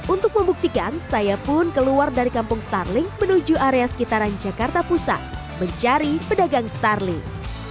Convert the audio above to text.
untuk membuktikan saya pun keluar dari kampung starling menuju area sekitaran jakarta pusat mencari pedagang starling